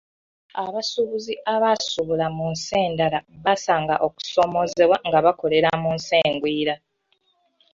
Abasuubuzi abasuubula mu nsi endala basanga okusomoozebwa nga bakolera mu nsi engwira.